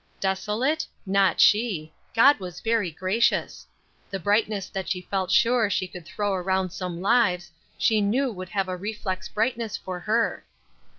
Desolate? Not she; God was very gracious. The brightness that she felt sure she could throw around some lives, she knew would have a reflex brightness for her.